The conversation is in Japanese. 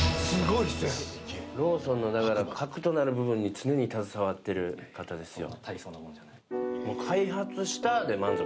ローソンの核となる部分に常に携わってる方ですよ